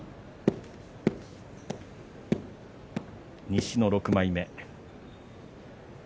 西の６枚目。